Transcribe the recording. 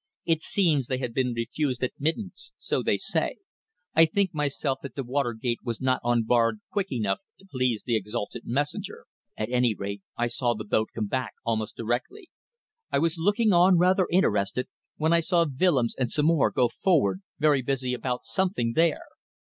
It seems they had been refused admittance so they say. I think myself that the water gate was not unbarred quick enough to please the exalted messenger. At any rate I saw the boat come back almost directly. I was looking on, rather interested, when I saw Willems and some more go forward very busy about something there.